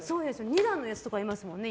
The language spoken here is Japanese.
２段のやつとかありますよね